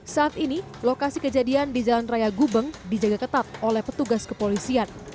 saat ini lokasi kejadian di jalan raya gubeng dijaga ketat oleh petugas kepolisian